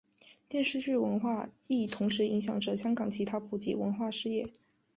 电视剧文化亦同时影响着香港其他普及文化事业。